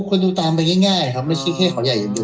คนดูตามไปง่ายครับไม่ใช่แค่เขาใหญ่อย่างเดียว